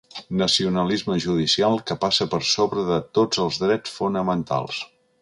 “Nacionalisme judicial que passa per sobre de tots els drets fonamentals”.